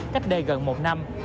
cách đây gần một năm